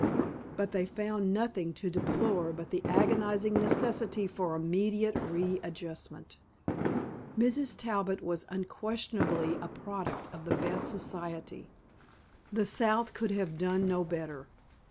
But they found nothing to deplore but the agonizing necessity for immediate readjustment. Mrs. Talbot was unquestionably a product of the best society. The South could have done no better.